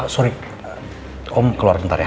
sorry om keluar sebentar ya